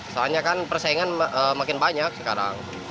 soalnya kan persaingan makin banyak sekarang